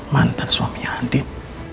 mantan suaminya andin